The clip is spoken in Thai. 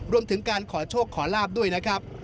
รวมถึงการขอโชคขอลาบด้วยนะครับ